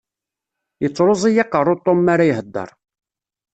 Yettruẓ-iyi aqerru Tom mara ihedder.